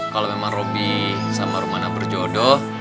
kalo memang robi sama rumana berjodoh